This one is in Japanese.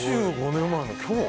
２５年前の今日？